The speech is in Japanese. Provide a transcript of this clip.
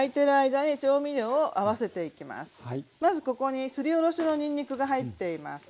まずここにすりおろしのにんにくが入っています。